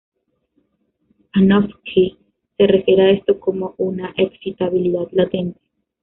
Panofsky se refiere a esto como una ≪excitabilidad latente≫.